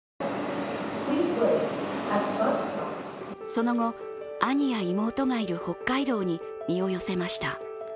その後、兄や妹がいる北海道に身を寄せました。